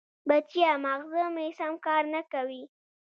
بچیه! ماغزه مې سم کار نه کوي.